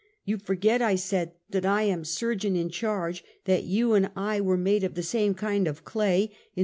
" You forget," I said, " that I am surgeon in charge, that you and I were made of the same kind of clay, in m.